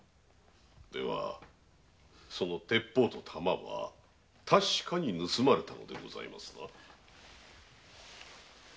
ではその鉄砲と弾は確かに盗まれたのでございますな？